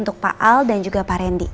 untuk pak al dan juga pak randy